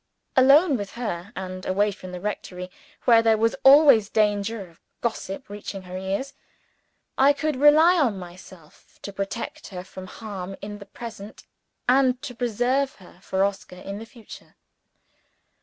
Alone with her, and away from the rectory (where there was always danger off gossip reaching her ears) I could rely on myself to protect her from harm in the present, and to preserve her for Oscar in the future.